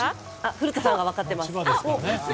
古田さんが分かってます。